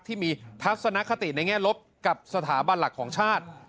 ทัศนคติในแง่ลบกับสถาบันหลักของชาติ